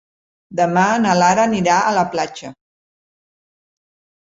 Demà na Lara anirà a la platja.